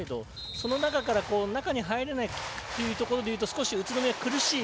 その中から中に入れないというところで言うと少し宇都宮、苦しい。